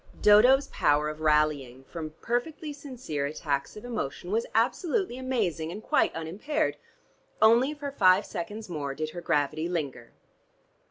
Dodo's power of rallying from perfectly sincere attacks of emotion was absolutely amazing and quite unimpaired. Only for five seconds more did her gravity linger.